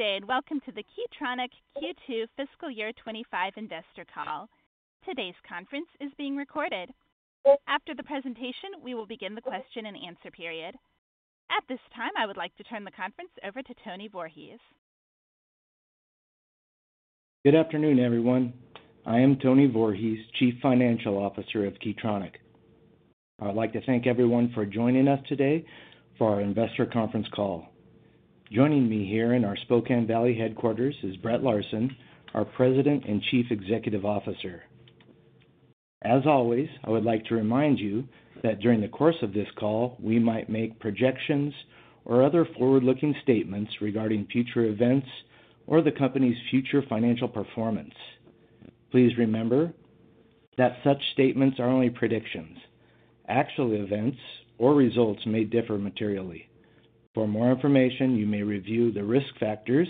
Good day, and welcome to the Key Tronic Q2 fiscal year 2025 investor call. Today's conference is being recorded. After the presentation, we will begin the question-and-answer period. At this time, I would like to turn the conference over to Tony Voorhees. Good afternoon, everyone. I am Tony Voorhees, Chief Financial Officer of Key Tronic. I would like to thank everyone for joining us today for our investor conference call. Joining me here in our Spokane Valley headquarters is Brett Larsen, our President and Chief Executive Officer. As always, I would like to remind you that during the course of this call, we might make projections or other forward-looking statements regarding future events or the company's future financial performance. Please remember that such statements are only predictions. Actual events or results may differ materially. For more information, you may review the risk factors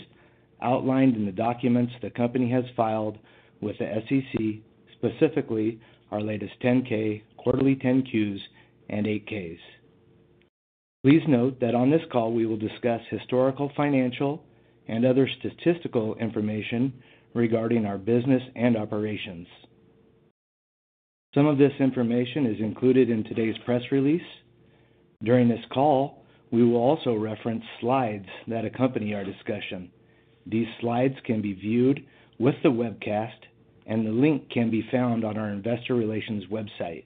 outlined in the documents the company has filed with the SEC, specifically our latest Form 10-K, quarterly Form 10-Qs, and Form 8-Ks. Please note that on this call, we will discuss historical financial and other statistical information regarding our business and operations. Some of this information is included in today's press release. During this call, we will also reference slides that accompany our discussion. These slides can be viewed with the webcast, and the link can be found on our Investor Relations website.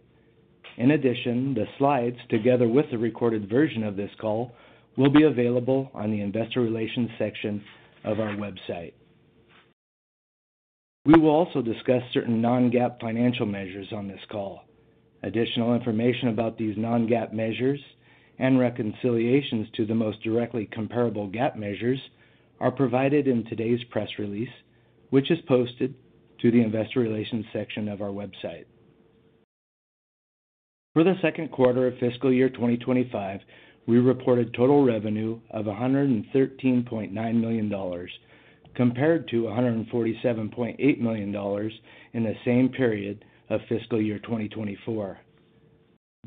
In addition, the slides, together with the recorded version of this call, will be available on the Investor Relations section of our website. We will also discuss certain non-GAAP financial measures on this call. Additional information about these non-GAAP measures and reconciliations to the most directly comparable GAAP measures are provided in today's press release, which is posted to the Investor Relations section of our website. For the second quarter of fiscal year 2025, we reported total revenue of $113.9 million compared to $147.8 million in the same period of fiscal year 2024.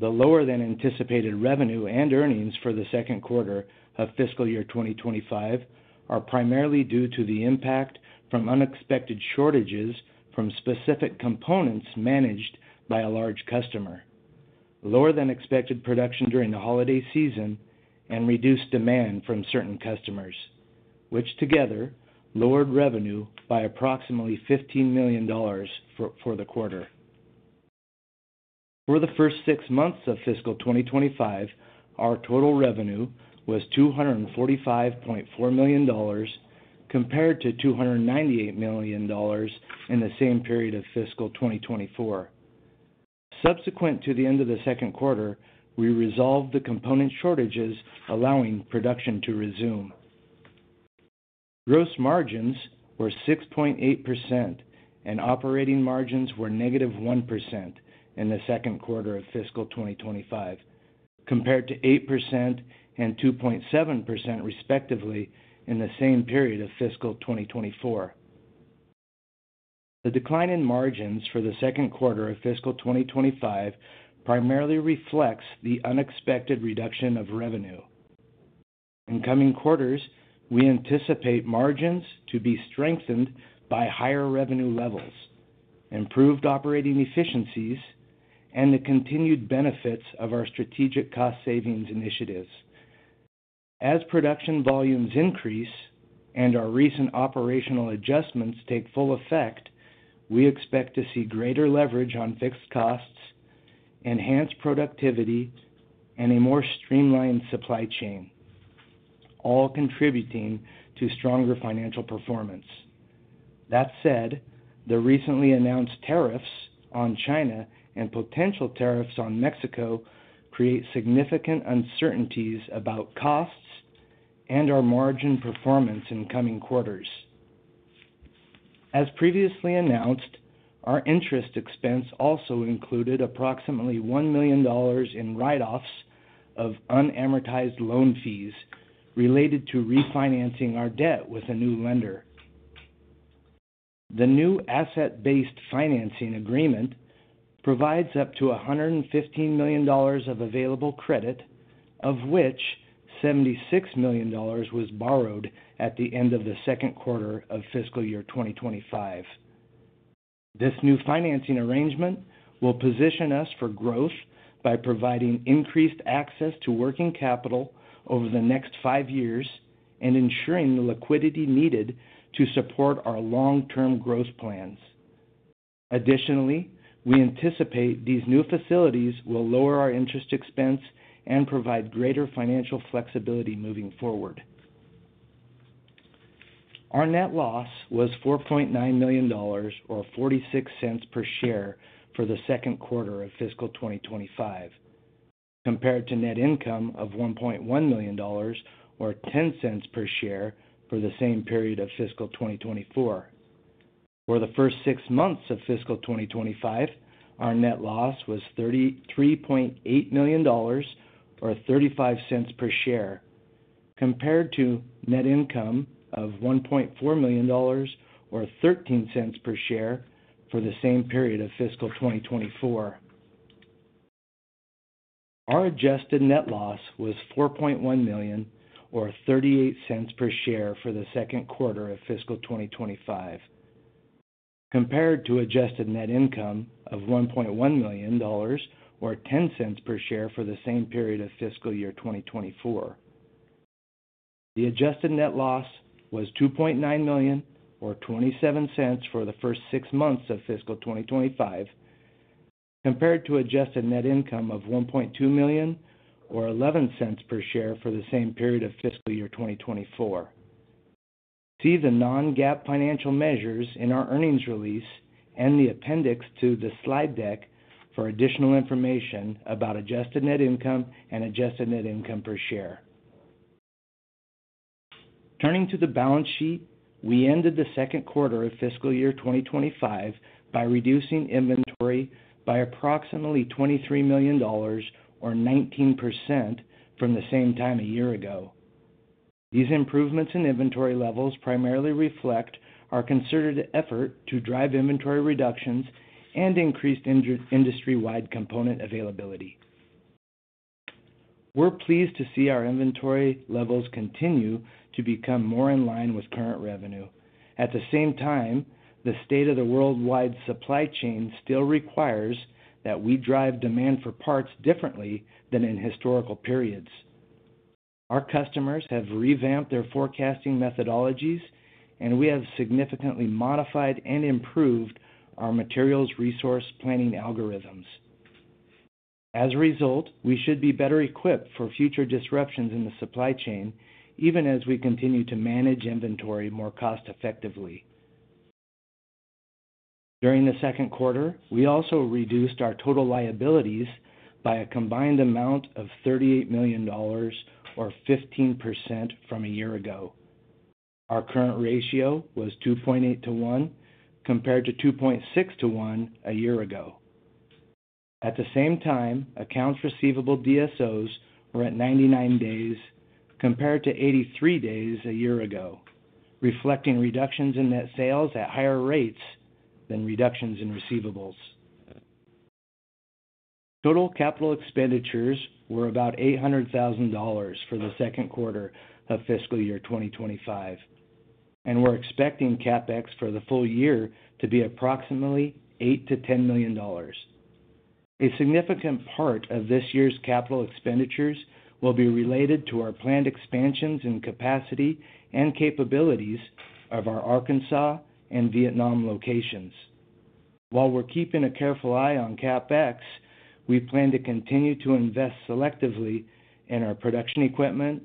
The lower-than-anticipated revenue and earnings for the second quarter of fiscal year 2025 are primarily due to the impact from unexpected shortages from specific components managed by a large customer, lower-than-expected production during the holiday season, and reduced demand from certain customers, which together lowered revenue by approximately $15 million for the quarter. For the first six months of fiscal 2025, our total revenue was $245.4 million compared to $298 million in the same period of fiscal 2024. Subsequent to the end of the second quarter, we resolved the component shortages, allowing production to resume. Gross margins were 6.8%, and operating margins were -1% in the second quarter of fiscal 2025, compared to 8% and 2.7% respectively in the same period of fiscal 2024. The decline in margins for the second quarter of fiscal 2025 primarily reflects the unexpected reduction of revenue. In coming quarters, we anticipate margins to be strengthened by higher revenue levels, improved operating efficiencies, and the continued benefits of our strategic cost savings initiatives. As production volumes increase and our recent operational adjustments take full effect, we expect to see greater leverage on fixed costs, enhanced productivity, and a more streamlined supply chain, all contributing to stronger financial performance. That said, the recently announced tariffs on China and potential tariffs on Mexico create significant uncertainties about costs and our margin performance in coming quarters. As previously announced, our interest expense also included approximately $1 million in write-offs of unamortized loan fees related to refinancing our debt with a new lender. The new asset-based financing agreement provides up to $115 million of available credit, of which $76 million was borrowed at the end of the second quarter of fiscal year 2025. This new financing arrangement will position us for growth by providing increased access to working capital over the next five years and ensuring the liquidity needed to support our long-term growth plans. Additionally, we anticipate these new facilities will lower our interest expense and provide greater financial flexibility moving forward. Our net loss was $4.9 million, or $0.46 per share, for the second quarter of fiscal 2025, compared to net income of $1.1 million, or $0.10 per share, for the same period of fiscal 2024. For the first six months of fiscal 2025, our net loss was $33.8 million, or $0.35 per share, compared to net income of $1.4 million, or $0.13 per share, for the same period of fiscal 2024. Our adjusted net loss was $4.1 million, or $0.38 per share, for the second quarter of fiscal 2025, compared to adjusted net income of $1.1 million, or $0.10 per share, for the same period of fiscal year 2024. The adjusted net loss was $2.9 million, or $0.27, for the first six months of fiscal 2025, compared to adjusted net income of $1.2 million, or $0.11 per share, for the same period of fiscal year 2024. See the non-GAAP financial measures in our earnings release and the appendix to the slide deck for additional information about adjusted net income and adjusted net income per share. Turning to the balance sheet, we ended the second quarter of fiscal year 2025 by reducing inventory by approximately $23 million, or 19%, from the same time a year ago. These improvements in inventory levels primarily reflect our concerted effort to drive inventory reductions and increased industry-wide component availability. We're pleased to see our inventory levels continue to become more in line with current revenue. At the same time, the state of the worldwide supply chain still requires that we drive demand for parts differently than in historical periods. Our customers have revamped their forecasting methodologies, and we have significantly modified and improved our materials resource planning algorithms. As a result, we should be better equipped for future disruptions in the supply chain, even as we continue to manage inventory more cost-effectively. During the second quarter, we also reduced our total liabilities by a combined amount of $38 million, or 15%, from a year ago. Our current ratio was 2.8 to 1, compared to 2.6 to 1 a year ago. At the same time, accounts receivable DSOs were at 99 days, compared to 83 days a year ago, reflecting reductions in net sales at higher rates than reductions in receivables. Total capital expenditures were about $800,000 for the second quarter of fiscal year 2025, and we're expecting CapEx for the full-year to be approximately $8 million-$10 million. A significant part of this year's capital expenditures will be related to our planned expansions in capacity and capabilities of our Arkansas and Vietnam locations. While we're keeping a careful eye on CapEx, we plan to continue to invest selectively in our production equipment,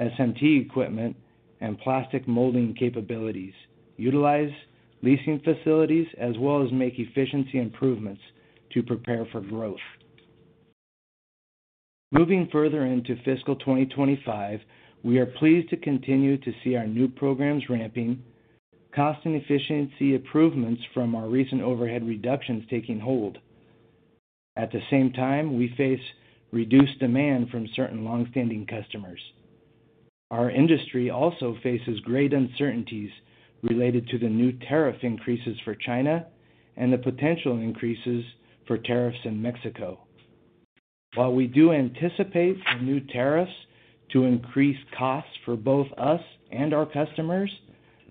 SMT equipment, and plastic molding capabilities, utilize leasing facilities, as well as make efficiency improvements to prepare for growth. Moving further into fiscal 2025, we are pleased to continue to see our new programs ramping, cost and efficiency improvements from our recent overhead reductions taking hold. At the same time, we face reduced demand from certain longstanding customers. Our industry also faces great uncertainties related to the new tariff increases for China and the potential increases for tariffs in Mexico. While we do anticipate new tariffs to increase costs for both us and our customers,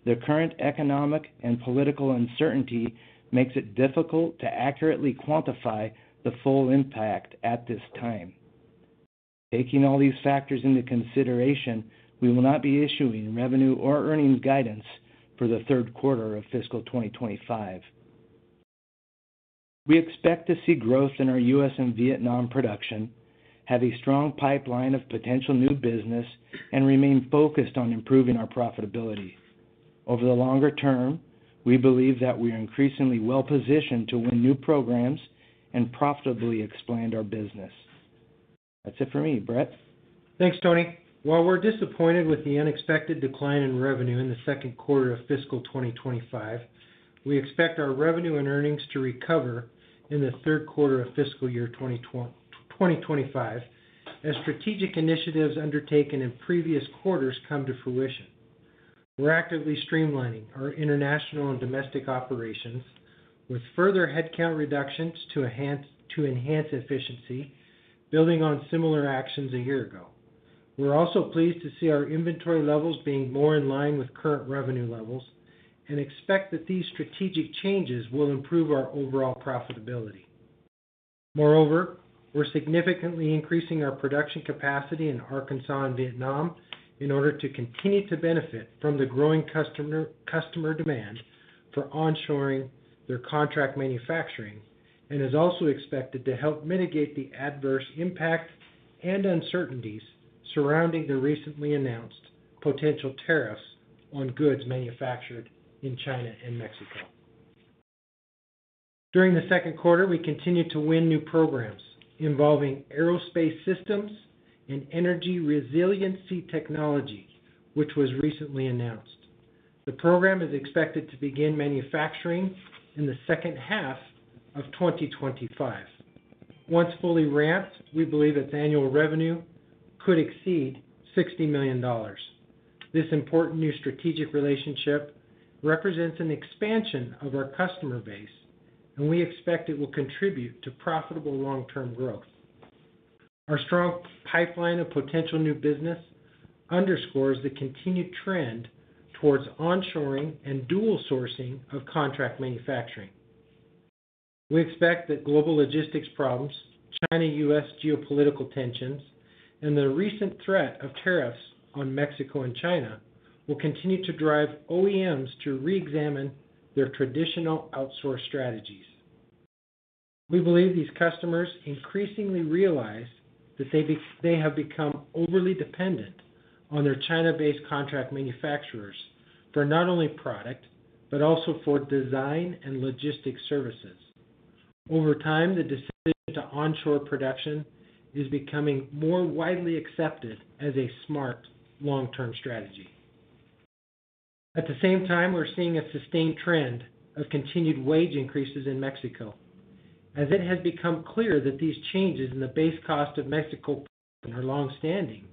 the current economic and political uncertainty makes it difficult to accurately quantify the full impact at this time. Taking all these factors into consideration, we will not be issuing revenue or earnings guidance for the third quarter of fiscal 2025. We expect to see growth in our U.S. and Vietnam production, have a strong pipeline of potential new business, and remain focused on improving our profitability. Over the longer term, we believe that we are increasingly well-positioned to win new programs and profitably expand our business. That's it for me, Brett. Thanks, Tony. While we're disappointed with the unexpected decline in revenue in the second quarter of fiscal 2025, we expect our revenue and earnings to recover in the third quarter of fiscal year 2025 as strategic initiatives undertaken in previous quarters come to fruition. We're actively streamlining our international and domestic operations with further headcount reductions to enhance efficiency, building on similar actions a year ago. We're also pleased to see our inventory levels being more in line with current revenue levels and expect that these strategic changes will improve our overall profitability. Moreover, we're significantly increasing our production capacity in Arkansas and Vietnam in order to continue to benefit from the growing customer demand for onshoring their contract manufacturing and is also expected to help mitigate the adverse impact and uncertainties surrounding the recently announced potential tariffs on goods manufactured in China and Mexico. During the second quarter, we continue to win new programs involving aerospace systems and energy resiliency technology, which was recently announced. The program is expected to begin manufacturing in the second half of 2025. Once fully ramped, we believe its annual revenue could exceed $60 million. This important new strategic relationship represents an expansion of our customer base, and we expect it will contribute to profitable long-term growth. Our strong pipeline of potential new business underscores the continued trend towards onshoring and dual sourcing of contract manufacturing. We expect that global logistics problems, China-U.S. geopolitical tensions, and the recent threat of tariffs on Mexico and China will continue to drive OEMs to re-examine their traditional outsource strategies. We believe these customers increasingly realize that they have become overly dependent on their China-based contract manufacturers for not only product but also for design and logistic services. Over time, the decision to onshore production is becoming more widely accepted as a smart long-term strategy. At the same time, we're seeing a sustained trend of continued wage increases in Mexico. As it has become clear that these changes in the base cost of Mexico are longstanding,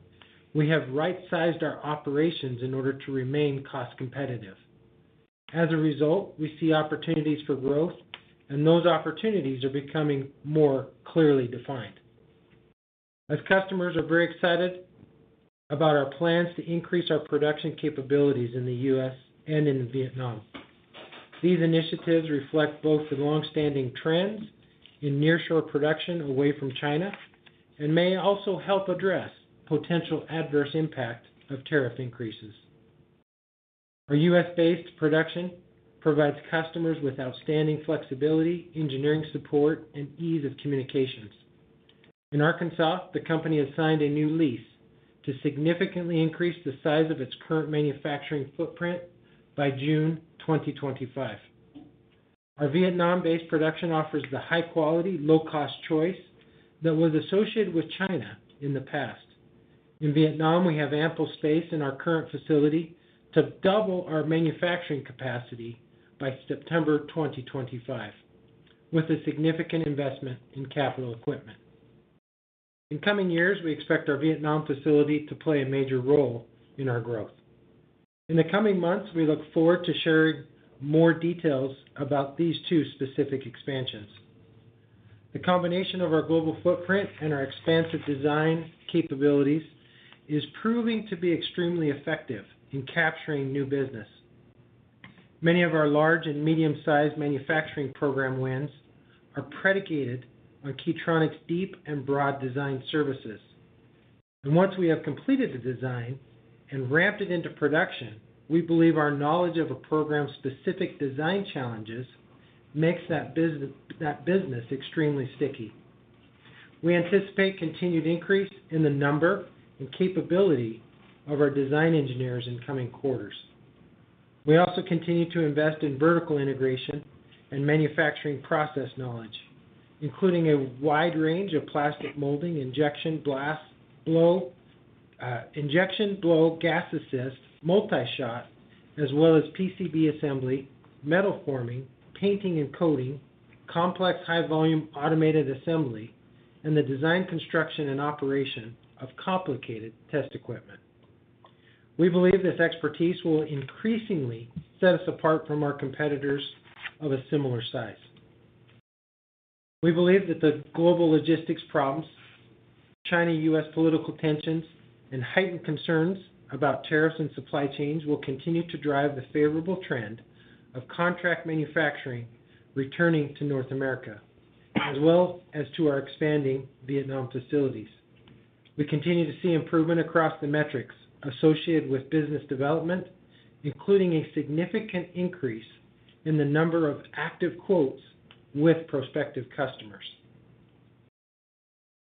we have right-sized our operations in order to remain cost competitive. As a result, we see opportunities for growth, and those opportunities are becoming more clearly defined. As customers are very excited about our plans to increase our production capabilities in the U.S. and in Vietnam, these initiatives reflect both the longstanding trends in nearshore production away from China and may also help address potential adverse impact of tariff increases. Our U.S.-based production provides customers with outstanding flexibility, engineering support, and ease of communications. In Arkansas, the company has signed a new lease to significantly increase the size of its current manufacturing footprint by June 2025. Our Vietnam-based production offers the high-quality, low-cost choice that was associated with China in the past. In Vietnam, we have ample space in our current facility to double our manufacturing capacity by September 2025, with a significant investment in capital equipment. In coming years, we expect our Vietnam facility to play a major role in our growth. In the coming months, we look forward to sharing more details about these two specific expansions. The combination of our global footprint and our expansive design capabilities is proving to be extremely effective in capturing new business. Many of our large and medium-sized manufacturing program wins are predicated on Key Tronic's deep and broad design services. Once we have completed the design and ramped it into production, we believe our knowledge of a program-specific design challenges makes that business extremely sticky. We anticipate continued increase in the number and capability of our design engineers in coming quarters. We also continue to invest in vertical integration and manufacturing process knowledge, including a wide range of plastic molding, injection, blow, gas-assist, multi-shot, as well as PCB assembly, metal forming, painting and coating, complex high-volume automated assembly, and the design, construction, and operation of complicated test equipment. We believe this expertise will increasingly set us apart from our competitors of a similar size. We believe that the global logistics problems, China-U.S. political tensions, and heightened concerns about tariffs and supply chains will continue to drive the favorable trend of contract manufacturing returning to North America, as well as to our expanding Vietnam facilities. We continue to see improvement across the metrics associated with business development, including a significant increase in the number of active quotes with prospective customers.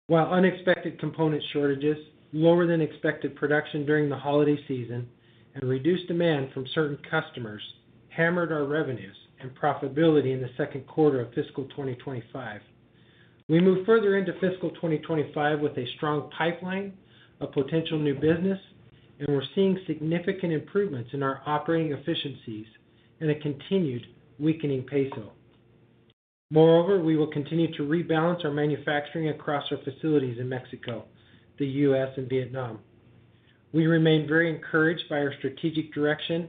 While unexpected component shortages, lower-than-expected production during the holiday season, and reduced demand from certain customers hammered our revenues and profitability in the second quarter of fiscal 2025, we move further into fiscal 2025 with a strong pipeline of potential new business, and we're seeing significant improvements in our operating efficiencies and a continued weakening peso. Moreover, we will continue to rebalance our manufacturing across our facilities in Mexico, the U.S., and Vietnam. We remain very encouraged by our strategic direction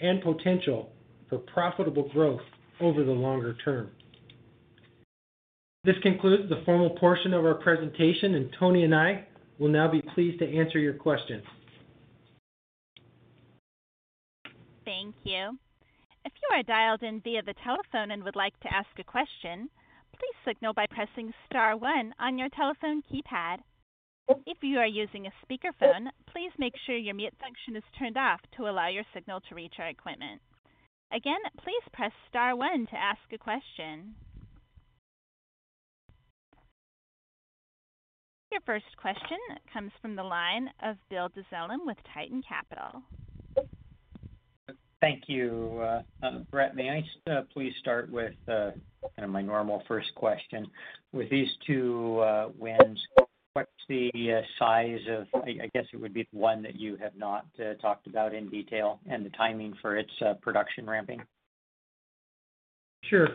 and potential for profitable growth over the longer term. This concludes the formal portion of our presentation, and Tony and I will now be pleased to answer your questions. Thank you. If you are dialed in via the telephone and would like to ask a question, please signal by pressing star one on your telephone keypad. If you are using a speakerphone, please make sure your mute function is turned off to allow your signal to reach our equipment. Again, please press star one to ask a question. Your first question comes from the line of Bill Dezellem with Tieton Capital. Thank you, Brett. May I please start with kind of my normal first question? With these two wins, what's the size of, I guess it would be the one that you have not talked about in detail, and the timing for its production ramping? Sure.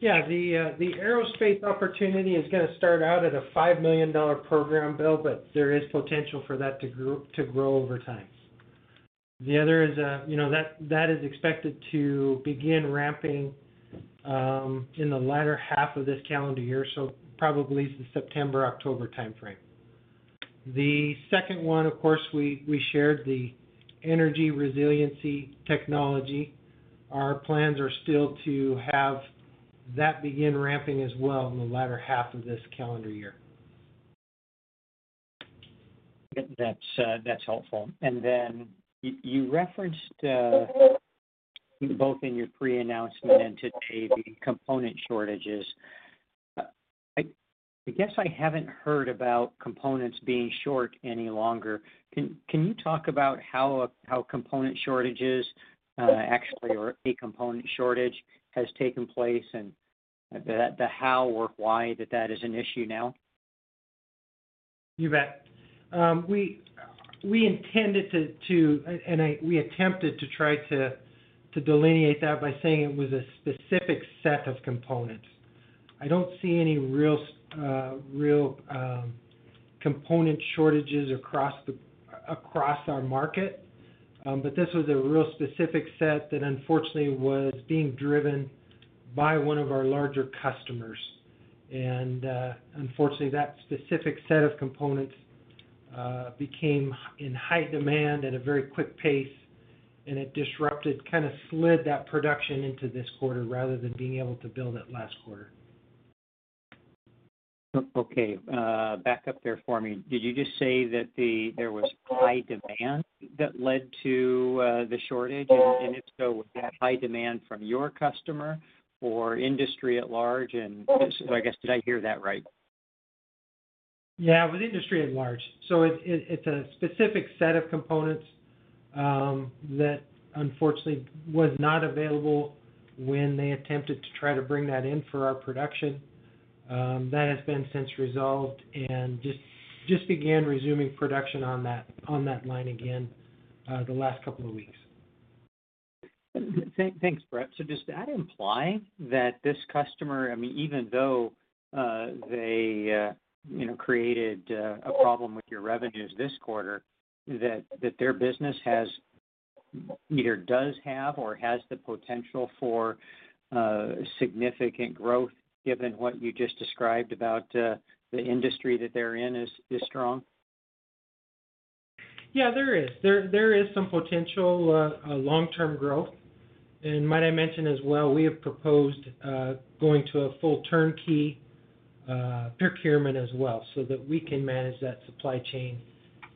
Yeah. The aerospace opportunity is going to start out at a $5 million program, Bill, but there is potential for that to grow over time. The other is that is expected to begin ramping in the latter half of this calendar year, so probably the September, October timeframe. The second one, of course, we shared the energy resiliency technology. Our plans are still to have that begin ramping as well in the latter half of this calendar year. That's helpful. And then you referenced both in your pre-announcement and today the component shortages. I guess I haven't heard about components being short any longer. Can you talk about how component shortages actually, or a component shortage, has taken place and the how or why that is an issue now? You bet. We intended to, and we attempted to try to delineate that by saying it was a specific set of components. I don't see any real component shortages across our market, but this was a real specific set that unfortunately was being driven by one of our larger customers. Unfortunately, that specific set of components became in high demand at a very quick pace, and it disrupted, kind of slid that production into this quarter rather than being able to build it last quarter. Okay. Back up there for me. Did you just say that there was high demand that led to the shortage? And if so, was that high demand from your customer or industry at large? And I guess, did I hear that right? Yeah, it was industry at large. So it's a specific set of components that unfortunately was not available when they attempted to try to bring that in for our production. That has since been resolved and just began resuming production on that line again the last couple of weeks. Thanks, Brett. So does that imply that this customer, I mean, even though they created a problem with your revenues this quarter, that their business either does have or has the potential for significant growth given what you just described about the industry that they're in is strong? Yeah, there is. There is some potential long-term growth, and might I mention as well, we have proposed going to a full turnkey procurement as well so that we can manage that supply chain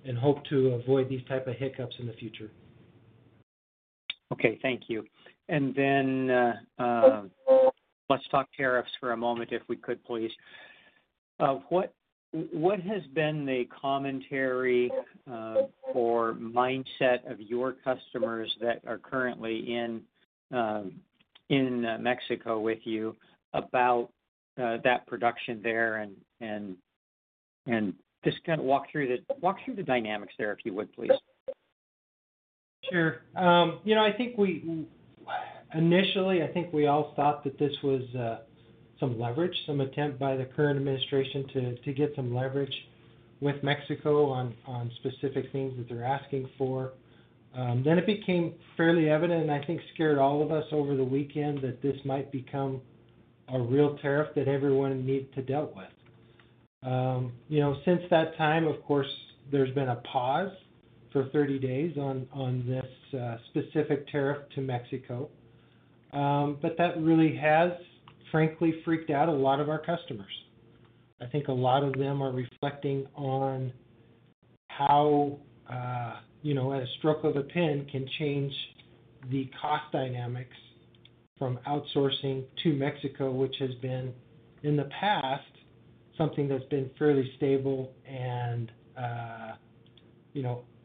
and hope to avoid these type of hiccups in the future. Okay. Thank you, and then let's talk tariffs for a moment if we could, please. What has been the commentary or mindset of your customers that are currently in Mexico with you about that production there, and just kind of walk through the dynamics there if you would, please. Sure. I think initially, I think we all thought that this was some leverage, some attempt by the current administration to get some leverage with Mexico on specific things that they're asking for. Then it became fairly evident, and I think scared all of us over the weekend that this might become a real tariff that everyone needed to deal with. Since that time, of course, there's been a pause for 30 days on this specific tariff to Mexico. But that really has, frankly, freaked out a lot of our customers. I think a lot of them are reflecting on how a stroke of a pen can change the cost dynamics from outsourcing to Mexico, which has been in the past something that's been fairly stable and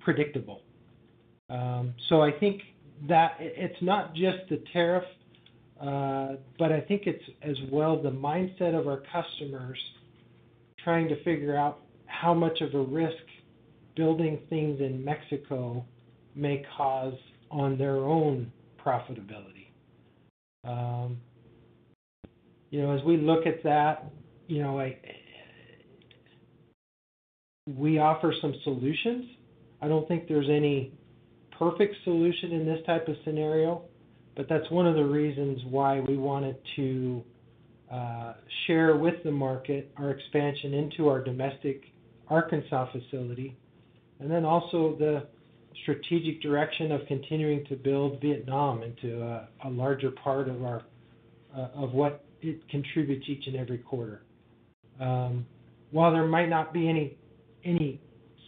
predictable. So I think that it's not just the tariff, but I think it's as well the mindset of our customers trying to figure out how much of a risk building things in Mexico may cause on their own profitability. As we look at that, we offer some solutions. I don't think there's any perfect solution in this type of scenario, but that's one of the reasons why we wanted to share with the market our expansion into our domestic Arkansas facility, and then also the strategic direction of continuing to build Vietnam into a larger part of what it contributes each and every quarter. While there might not be any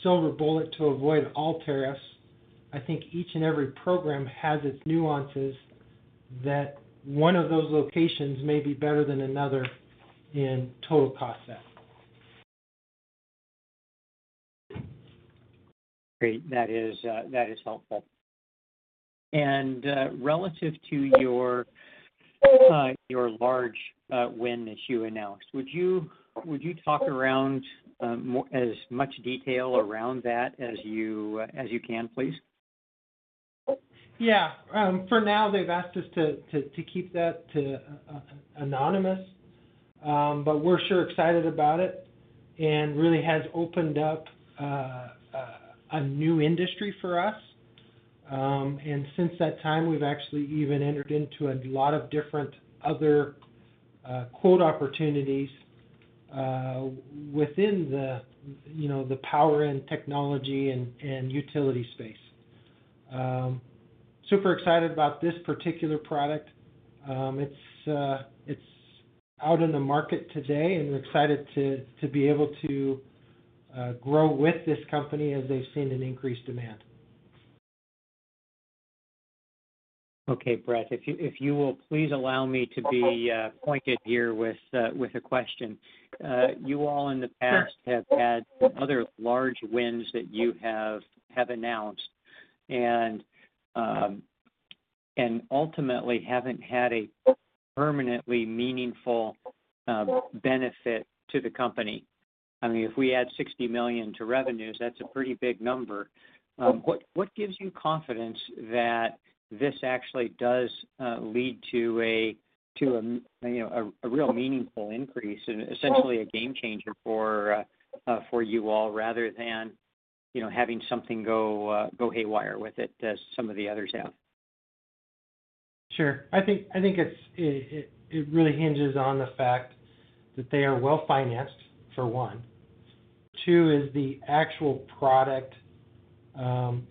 silver bullet to avoid all tariffs, I think each and every program has its nuances that one of those locations may be better than another in total cost set. Great. That is helpful, and relative to your large win that you announced, would you talk around as much detail around that as you can, please? Yeah. For now, they've asked us to keep that anonymous, but we're sure excited about it and it really has opened up a new industry for us, and since that time, we've actually even entered into a lot of different other quote opportunities within the power and technology and utility space. Super excited about this particular product. It's out in the market today, and we're excited to be able to grow with this company as they've seen an increased demand. Okay, Brett. If you will please allow me to be pointed here with a question. You all in the past have had other large wins that you have announced and ultimately haven't had a permanently meaningful benefit to the company. I mean, if we add $60 million to revenues, that's a pretty big number. What gives you confidence that this actually does lead to a real meaningful increase and essentially a game changer for you all rather than having something go haywire with it as some of the others have? Sure. I think it really hinges on the fact that they are well-financed, for one. Two is the actual product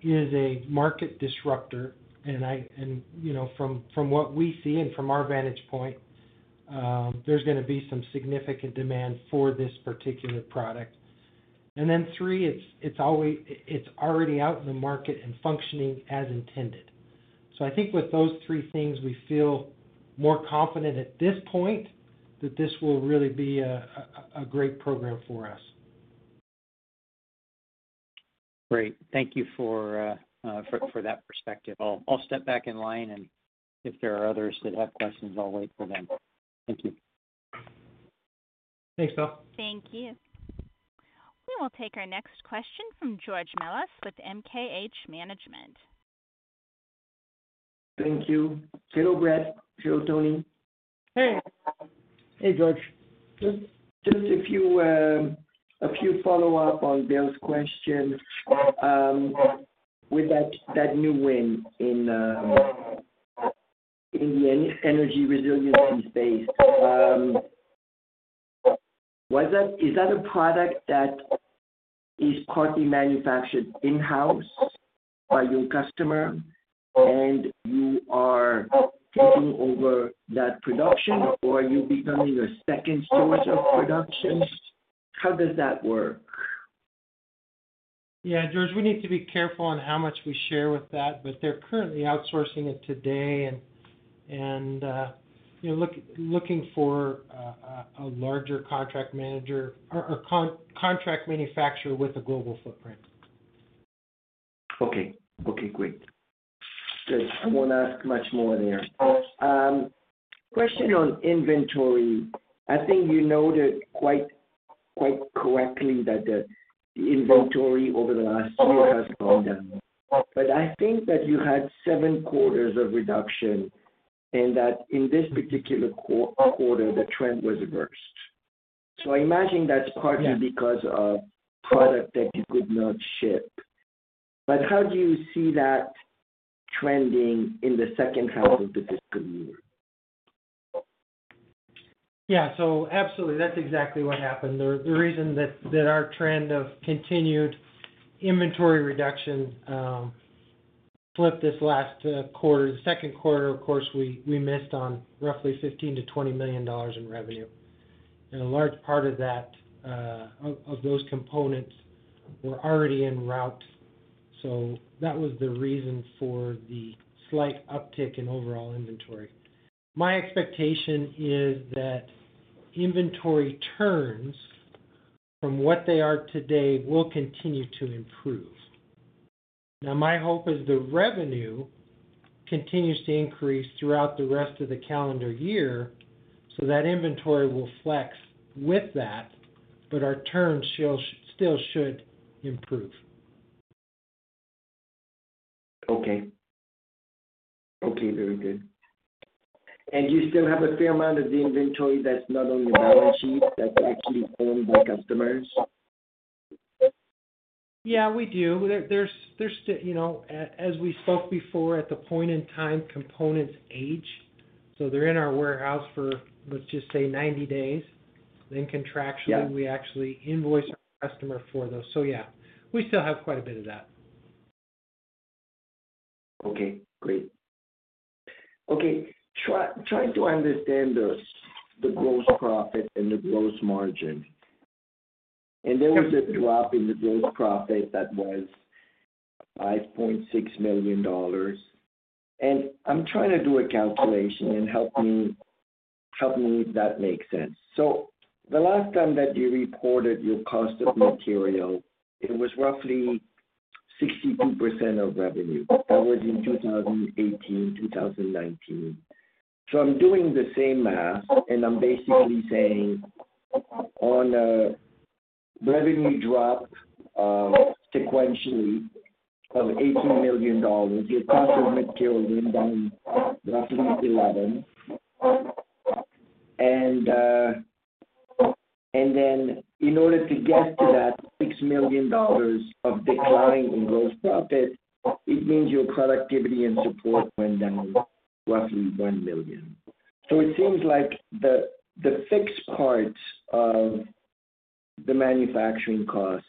is a market disruptor. And from what we see and from our vantage point, there's going to be some significant demand for this particular product. And then three, it's already out in the market and functioning as intended. So I think with those three things, we feel more confident at this point that this will really be a great program for us. Great. Thank you for that perspective. I'll step back in line, and if there are others that have questions, I'll wait for them. Thank you. Thanks, Bill. Thank you. We will take our next question from George Melas with MKH Management. Thank you. Hello, Brett. Hello, Tony. Hey. Hey, George. Just a few follow-up on Bill's question. With that new win in the energy resiliency space, is that a product that is partly manufactured in-house by your customer, and you are taking over that production, or are you becoming a second source of production? How does that work? Yeah. George, we need to be careful on how much we share with that, but they're currently outsourcing it today and looking for a larger contract manager or contract manufacturer with a global footprint. Okay. Okay. Great. Good. I won't ask much more there. Question on inventory. I think you noted quite correctly that the inventory over the last year has gone down. But I think that you had seven quarters of reduction and that in this particular quarter, the trend was reversed. So I imagine that's partly because of product that you could not ship. But how do you see that trending in the second half of the fiscal year? Yeah. So absolutely. That's exactly what happened. The reason that our trend of continued inventory reduction flipped this last quarter, the second quarter, of course, we missed on roughly $15 million-$20 million in revenue. And a large part of those components were already en route. So that was the reason for the slight uptick in overall inventory. My expectation is that inventory turns from what they are today will continue to improve. Now, my hope is the revenue continues to increase throughout the rest of the calendar year so that inventory will flex with that, but our turns still should improve. Okay. Okay. Very good. And you still have a fair amount of the inventory that's not on your balance sheet, that's actually owned by customers? Yeah, we do. As we spoke before, at the point in time, components age. So they're in our warehouse for, let's just say, 90 days. Then contractually, we actually invoice our customer for those. So yeah, we still have quite a bit of that. Okay. Great. Trying to understand the gross profit and the gross margin. There was a drop in the gross profit that was $5.6 million. I'm trying to do a calculation, and help me if that makes sense. The last time that you reported your cost of material, it was roughly 62% of revenue. That was in 2018, 2019. I'm doing the same math, and I'm basically saying on a revenue drop sequentially of $18 million, your cost of material went down roughly $11 million. Then in order to get to that $6 million of decline in gross profit, it means your productivity and support went down roughly $1 million. It seems like the fixed parts of the manufacturing costs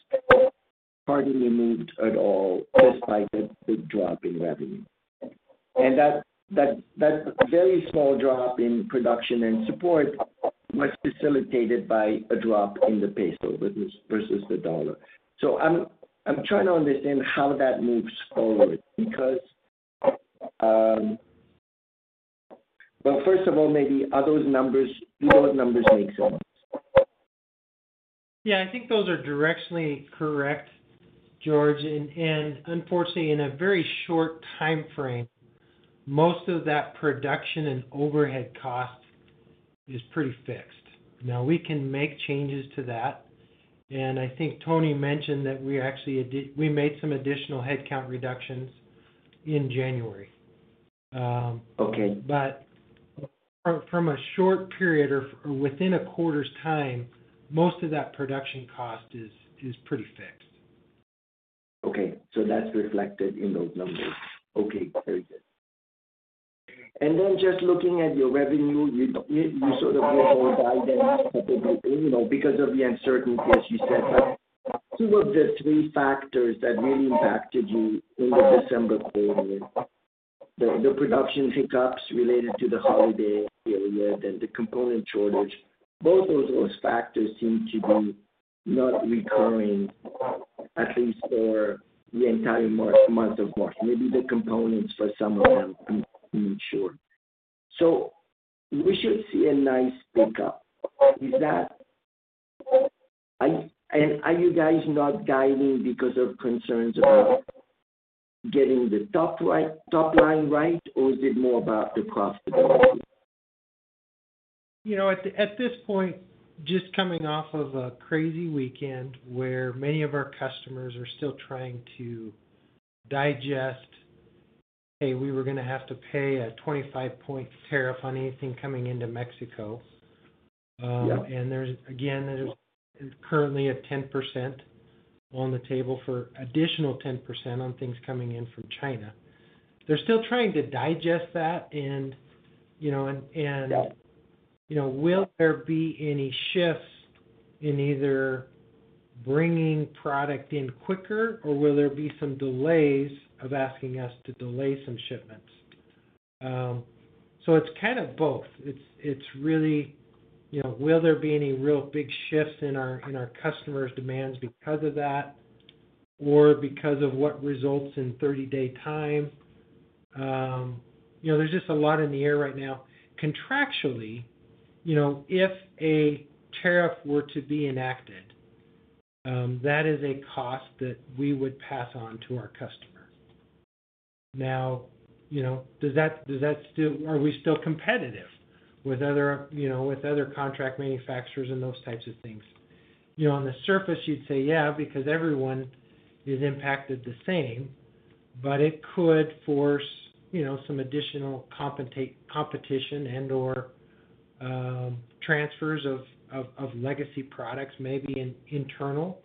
hardly moved at all despite the big drop in revenue. And that very small drop in production and support was facilitated by a drop in the peso versus the dollar. So I'm trying to understand how that moves forward because, well, first of all, maybe do those numbers make sense? Yeah. I think those are directionally correct, George. And unfortunately, in a very short time frame, most of that production and overhead cost is pretty fixed. Now, we can make changes to that. And I think Tony mentioned that we made some additional headcount reductions in January. But from a short period or within a quarter's time, most of that production cost is pretty fixed. Okay. So that's reflected in those numbers. Okay. Very good. And then just looking at your revenue, you sort of went awry then because of the uncertainty, as you said. Two of the three factors that really impacted you in the December quarter, the production hiccups related to the holiday period and the component shortage, both of those factors seem to be not recurring, at least for the entire month of March. Maybe the components for some of them need to be ensured. So we should see a nice pickup. And are you guys not guiding because of concerns about getting the top line right, or is it more about the profitability? At this point, just coming off of a crazy weekend where many of our customers are still trying to digest, "Hey, we were going to have to pay a 25-point tariff on anything coming into Mexico," and again, there's currently a 10% on the table for additional 10% on things coming in from China. They're still trying to digest that, and will there be any shifts in either bringing product in quicker, or will there be some delays of asking us to delay some shipments? So it's kind of both. It's really, will there be any real big shifts in our customers' demands because of that or because of what results in 30-day time? There's just a lot in the air right now. Contractually, if a tariff were to be enacted, that is a cost that we would pass on to our customer. Now, does that still? Are we still competitive with other contract manufacturers and those types of things? On the surface, you'd say, "Yeah," because everyone is impacted the same, but it could force some additional competition and/or transfers of legacy products, maybe internal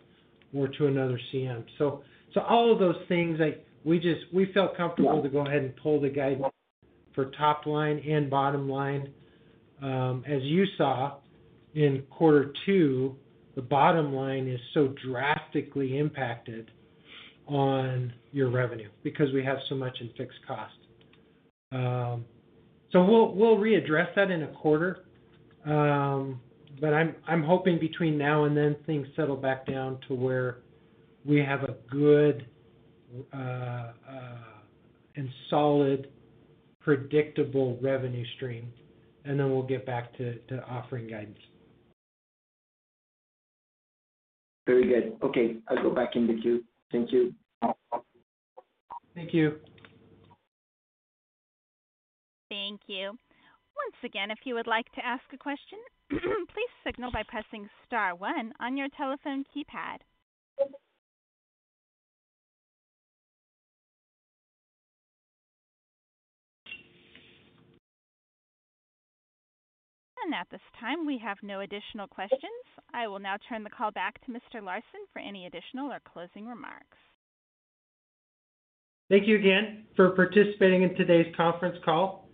or to another CM. So all of those things, we felt comfortable to go ahead and pull the guidance for top line and bottom line. As you saw in quarter two, the bottom line is so drastically impacted on your revenue because we have so much in fixed cost. So we'll readdress that in a quarter, but I'm hoping between now and then things settle back down to where we have a good and solid, predictable revenue stream, and then we'll get back to offering guidance. Very good. Okay. I'll go back in the queue. Thank you. Thank you. Thank you. Once again, if you would like to ask a question, please signal by pressing star one on your telephone keypad. And at this time, we have no additional questions. I will now turn the call back to Mr. Larsen for any additional or closing remarks. Thank you again for participating in today's conference call.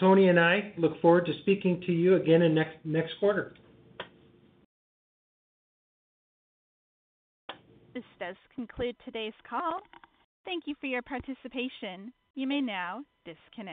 Tony and I look forward to speaking to you again in next quarter. This does conclude today's call. Thank you for your participation. You may now disconnect.